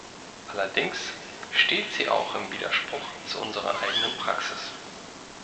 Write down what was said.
Allerdings steht sie auch im Widerspruch zu unserer eigenen Praxis.